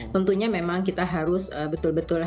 tentunya memang kita harus betul betul